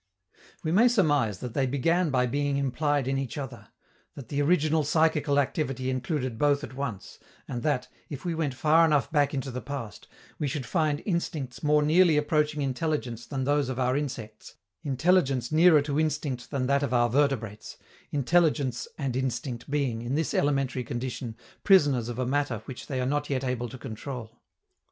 We may surmise that they began by being implied in each other, that the original psychical activity included both at once, and that, if we went far enough back into the past, we should find instincts more nearly approaching intelligence than those of our insects, intelligence nearer to instinct than that of our vertebrates, intelligence and instinct being, in this elementary condition, prisoners of a matter which they are not yet able to control.